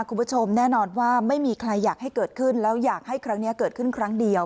คุณผู้ชมแน่นอนว่าไม่มีใครอยากให้เกิดขึ้นแล้วอยากให้ครั้งนี้เกิดขึ้นครั้งเดียว